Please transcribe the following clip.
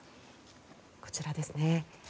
こちらですね。